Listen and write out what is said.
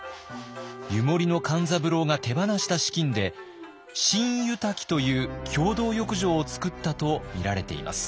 湯守の勘三郎が手放した資金で新湯瀧という共同浴場をつくったとみられています。